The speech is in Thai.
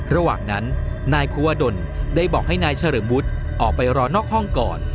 ระหว่างนั้นนายภูวดลได้บอกให้นายเฉลิมวุฒิออกไปรอนอกห้องก่อน